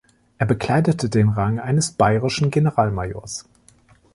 Er bekleidete den Rang eines bayerischen Generalmajors.